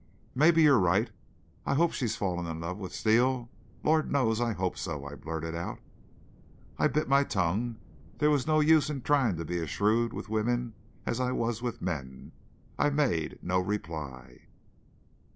"Maybe you're right. I hope she's fallen in love with Steele. Lord knows I hope so," I blurted out. I bit my tongue. There was no use in trying to be as shrewd with women as I was with men. I made no reply.